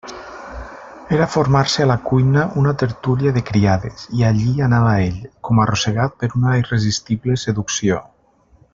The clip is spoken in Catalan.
Era formar-se a la cuina una tertúlia de criades, i allí anava ell, com arrossegat per una irresistible seducció.